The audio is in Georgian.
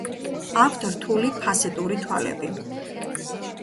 აქვთ რთული ფასეტური თვალები.